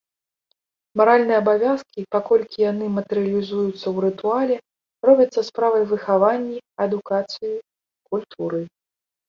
Маральныя абавязкі, паколькі яны матэрыялізуюцца ў рытуале, робяцца справай выхаванні, адукацыі, культуры.